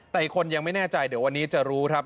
แต่อีกคนยังไม่แน่ใจเดี๋ยววันนี้จะรู้ครับ